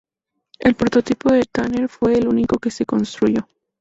El prototipo de Tanner fue el único que se construyó.